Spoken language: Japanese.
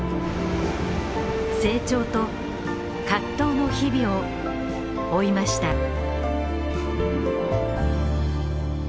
成長と葛藤の日々を追いました。